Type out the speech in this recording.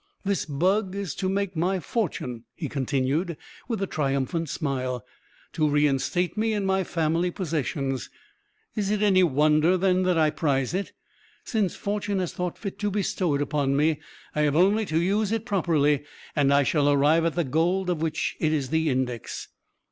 "This bug is to make my fortune," he continued, with a triumphant smile; "to reinstate me in my family possessions. Is it any wonder, then, that I prize it? Since Fortune has thought fit to bestow it upon me, I have only to use it properly, and I shall arrive at the gold of which it is the index.